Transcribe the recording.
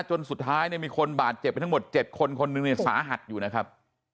จนสุดท้ายเนี่ยมีคนบาดเจ็บไปทั้งหมด๗คนคนหนึ่งเนี่ยสาหัสอยู่นะครับ